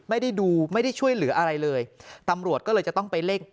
ไม่ได้ดูไม่ได้ช่วยเหลืออะไรเลยตำรวจก็เลยจะต้องไปเร่ง